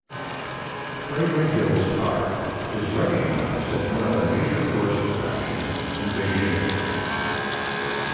Fragrant Hills Park is recognized as one of the major tourist attractions in Beijing.